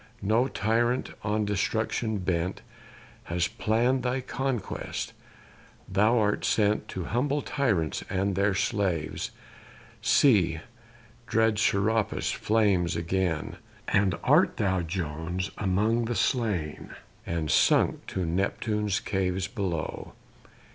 No tyrant, on destruction bent, Has plann'd thy conquest thou art sent To humble tyrants and their slaves. See! dread Serapis flames again And art thou, Jones, among the slain, And sunk to Neptune's caves below?